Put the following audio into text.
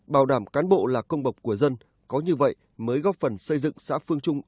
bảo đảm cán bộ là công bộc của dân có như vậy mới góp phần xây dựng xã phương trung